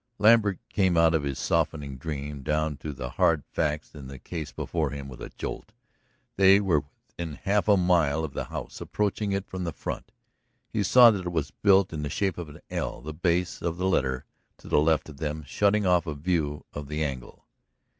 Lambert came out of his softening dream, down to the hard facts in the case before him with a jolt. They were within half a mile of the house, approaching it from the front. He saw that it was built in the shape of an L, the base of the letter to the left of them, shutting off a view of the angle.